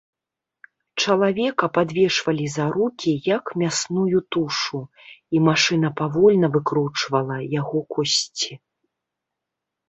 Чалавека падвешвалі за рукі, як мясную тушу, і машына павольна выкручвала яго косці.